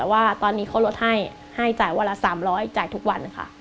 ว่าตอนนี้เขาลดให้ให้จ่ายวันละ๓๐๐จ่ายทุกวันค่ะ